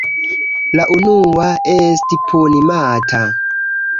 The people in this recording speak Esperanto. La unua esti Puni-mata.